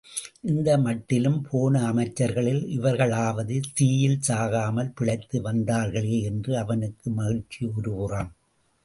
இந்த மட்டிலும், போன அமைச்சர்களில் இவர்களாவது தீயில் சாகாமல் பிழைத்து வந்தார்களே என்று அவனுக்கு மகிழ்ச்சி ஒரு புறம்.